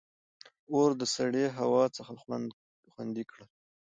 • اور د سړې هوا څخه خوندي کړل.